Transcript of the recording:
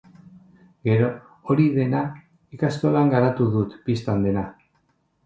Gero, hori dena ikastolan garatu dut, bistan dena.